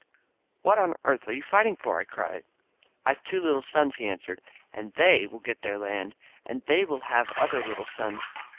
"What on earth are you fighting for?" I cried. "I have two little sons," he answered. "And they will get their land. And they will have other little sons.